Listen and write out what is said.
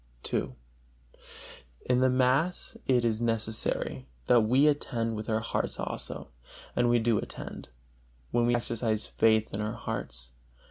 II. In the mass it is necessary that we attend with our a hearts also; and we do attend, when we exercise faith in our hearts.